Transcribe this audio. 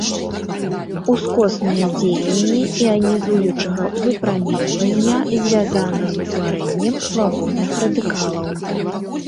Ускоснае дзеянне іанізуючага выпраменьвання звязана з утварэннем свабодных радыкалаў.